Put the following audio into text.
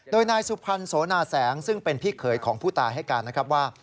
โดยนายสุพรรณโสนาแสงซึ่งเป็นพี่เขยของผู้ตายให้การนะครับว่า